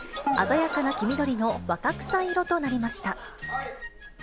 鮮やかな黄緑の若草色となりました。